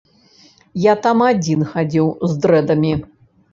Я там адзін хадзіў з дрэдамі.